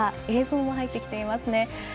映像も入ってきています。